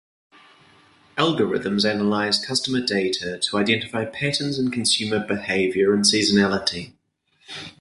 Algorithms analyze customer data to identify patterns in consumer behavior and seasonality.